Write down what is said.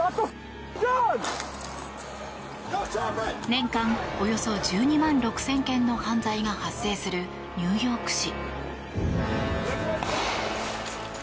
年間およそ１２万６０００件の犯罪が発生するニューヨーク市。